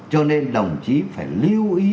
cho nên đồng chí phải lưu ý